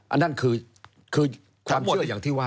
อันนั้นคือความเชื่ออย่างที่ว่า